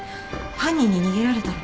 犯人に逃げられたら。